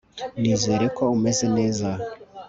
nizere ko umeze neza